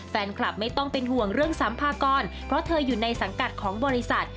ไม่ต้องเป็นห่วงเรื่องสัมภากรเพราะเธออยู่ในสังกัดของบริษัท